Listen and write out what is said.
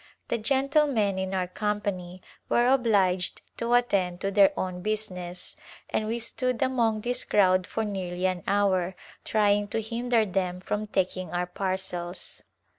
The gentlemen in our company were obliged to attend to their own business and we stood among this crowd for nearly an hour trying to hinder them from taking our parcels.